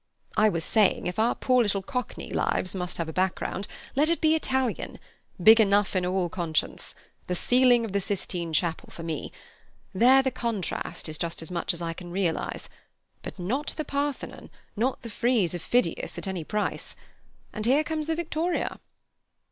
"I was saying, if our poor little Cockney lives must have a background, let it be Italian. Big enough in all conscience. The ceiling of the Sistine Chapel for me. There the contrast is just as much as I can realize. But not the Parthenon, not the frieze of Phidias at any price; and here comes the victoria."